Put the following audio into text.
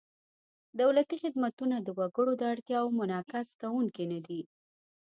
دولتي خدمتونه د وګړو د اړتیاوو منعکس کوونکي نهدي.